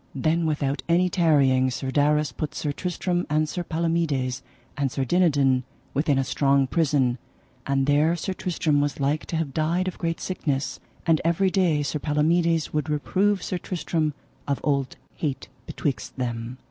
Then without any tarrying Sir Darras put Sir Tristram, and Sir Palomides, and Sir Dinadan, within a strong prison, and there Sir Tristram was like to have died of great sickness; and every day Sir Palomides would reprove Sir Tristram of old hate betwixt them.